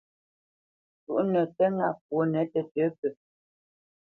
Cúʼnə tə́ ŋâ kwonə tətə̌ pə.